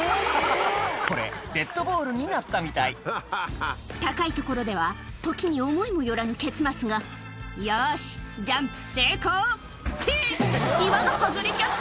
これデッドボールになったみたい高い所では時に思いもよらぬ結末が「よしジャンプ成功」って！